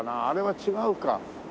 あれは違うか。